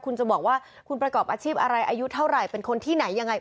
คุณจะบอกว่าคุณประกอบอาชีพอะไรอายุเท่าไหร่เป็นคนที่ไหนยังไง